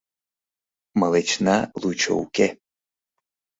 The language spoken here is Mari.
Мылечна лучо уке!»